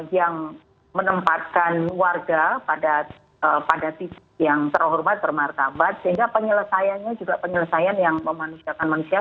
yang menempatkan warga pada titik yang terhormat bermartabat sehingga penyelesaiannya juga penyelesaian yang memanusiakan manusia